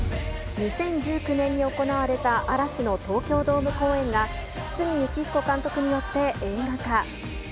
２０１９年に行われた嵐の東京ドーム公演が堤幸彦監督によって、映画化。